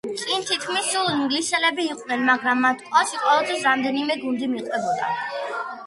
წინ თითქმის სულ ინგლისელები იყვნენ, მაგრამ მათ კვალში ყოველთვის რამდენიმე გუნდი მიყვებოდა.